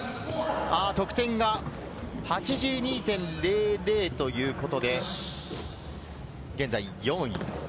得点が８２．００ということで現在４位。